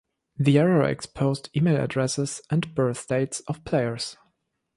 The error exposed email addresses and birth dates of players.